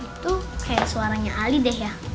itu kayak suaranya ali deh ya